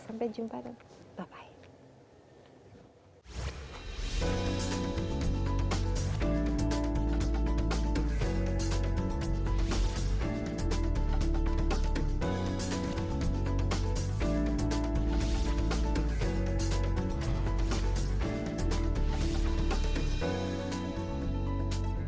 sampai jumpa bye bye